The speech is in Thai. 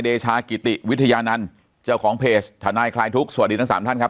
เดชากิติวิทยานันต์เจ้าของเพจทนายคลายทุกข์สวัสดีทั้งสามท่านครับ